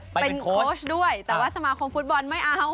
เป็นโค้ชด้วยแต่ว่าสมาคมฟุตบอลไม่เอา